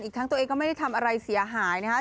ทั้งตัวเองก็ไม่ได้ทำอะไรเสียหายนะครับ